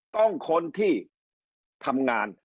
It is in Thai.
ต้องคนที่ทำงาน